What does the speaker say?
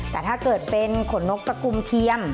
แต่ถ้าเกิดเป็นขนนกตะกุมเทียม